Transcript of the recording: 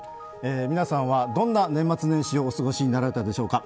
皆さんはどんな年末年始をお過ごしになられたでしょうか。